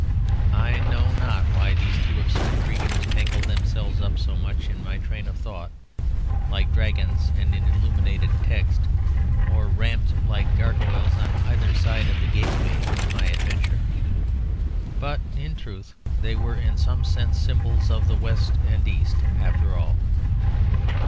I know not why these two absurd creatures tangled themselves up so much in my train of thought, like dragons in an illuminated text; or ramped like gargoyles on either side of the gateway of my adventure. But in truth they were in some sense symbols of the West and the East after all.